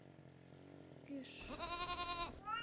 Кӱш-ш!